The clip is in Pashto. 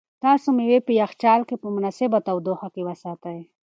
تاسو مېوې په یخچال کې په مناسبه تودوخه کې وساتئ.